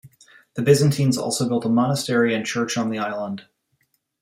The Byzantines also built a monastery and church on the island.